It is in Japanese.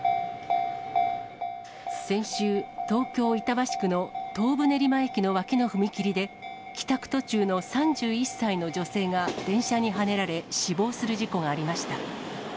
先週、東京・板橋区の東武練馬駅の脇の踏切で、帰宅途中の３１歳の女性が電車にはねられ、死亡する事故がありました。